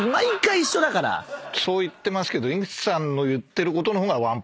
そう言ってますけど。